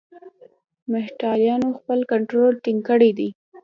مرهټیانو خپل کنټرول ټینګ کړی دی.